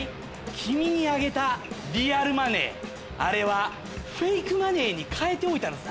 君にあげたリアルマネーあれはフェイクマネーに替えておいたのさ。